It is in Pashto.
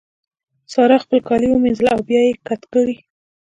سارا خپل کالي ومينځل او بيا يې کت کړې.